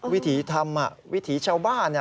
วิถีทำวิถีชาวบ้าน